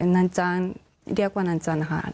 นันจันเรียกว่านันจันค่ะ